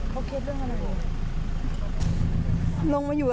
พ่อทุกข่าวแล้ว